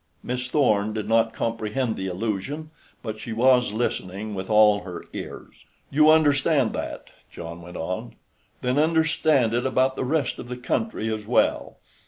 Miss Thorn did not comprehend the allusion, but she was listening with all her ears. "You understand that," John went on. "Then understand it about the rest of the country as well.